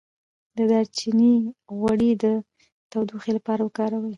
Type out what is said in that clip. د دارچینی غوړي د تودوخې لپاره وکاروئ